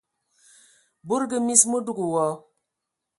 Budugi mis, mə dug wa.